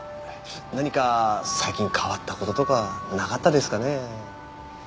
何か最近変わった事とかなかったですかねえ？